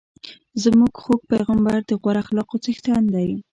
زموږ خوږ پیغمبر د غوره اخلاقو څښتن دی.